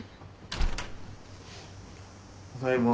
・ただいま。